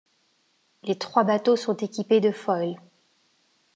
Les trois bateaux sont équipés de foils.